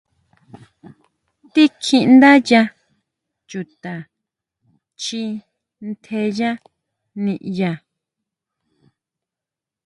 Tíkjiʼndáyá chuta chʼi tjenya ndiyá.